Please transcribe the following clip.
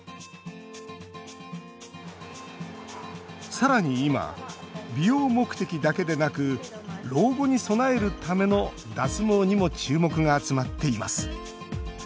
さらに今、美容目的だけでなく老後に備えるための脱毛にも注目が集まっています。